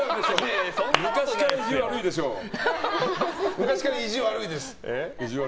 昔から意地悪いです。